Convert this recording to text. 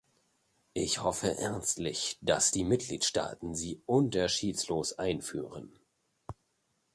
Ich hoffe ernstlich, dass die Mitgliedstaaten sie unterschiedslos einführen.